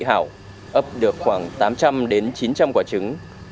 ấp được khoảng tám trăm linh chín trăm linh quả trứng